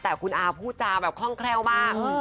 แต่คุณอาพูดจาแบบคล่องแคล่วมาก